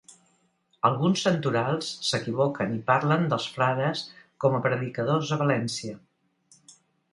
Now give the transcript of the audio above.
Alguns santorals s'equivoquen i parlen dels frares com a predicadors a València.